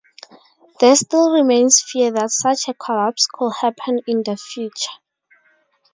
There still remains fear that such a collapse could happen in the future.